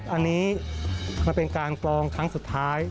อันนี้มันเป็นการกรองครั้งสุดท้าย